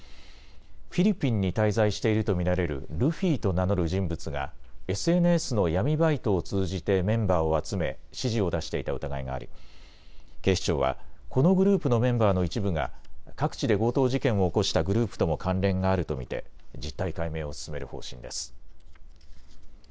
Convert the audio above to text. フィリピンに滞在していると見られるルフィと名乗る人物がＳＮＳの闇バイトを通じてメンバーを集め指示を出していた疑いがあり警視庁はこのグループのメンバーの一部が各地で強盗事件を起こしたグループとも関連があると見て実態解明を進める方針です。